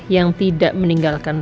yang tidak meninggalkan